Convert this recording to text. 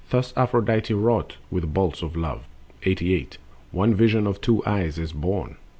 Thus Aphrodite wrought with bolts of love. 88. One vision of two eyes is born.